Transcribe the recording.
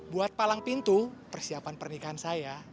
buat palang pintu persiapan pernikahan saya